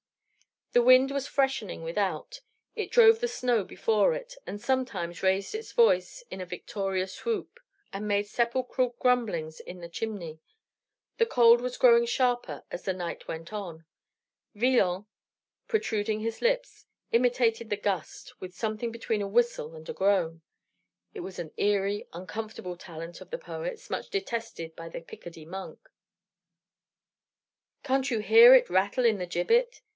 The wind was freshening without; it drove the snow before it, and sometimes raised its voice in a victorious whoop, and made sepulchral grumblings in the chimney. The cold was growing sharper as the night went on. Villon, protruding his lips, imitated the gust with something between a whistle and a groan. It was an eerie, uncomfortable talent of the poet's, much detested by the Picardy monk. "Can't you hear it rattle in the gibbet?"